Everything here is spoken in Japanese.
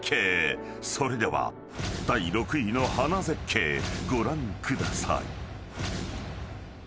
［それでは第６位の花絶景ご覧ください］